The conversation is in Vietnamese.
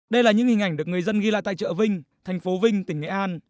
đây là những hình ảnh được người dân ghi lại tại chợ vinh thành phố vinh tỉnh nghệ an